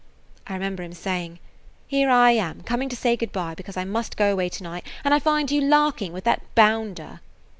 I remember him saying, 'Here am I coming to say good by, because I must go away to night, and I find you larking with that bounder.'